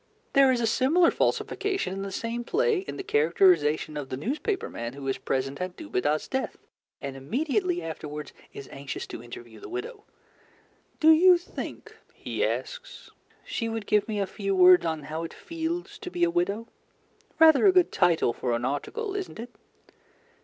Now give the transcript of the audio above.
There is a similar falsification in the same play in the characterization of the newspaper man who is present at Dubedat's death and immediately afterwards is anxious to interview the widow. "Do you think," he asks, "she would give me a few words on 'How it Feels to be a Widow?' Rather a good title for an article, isn't it?"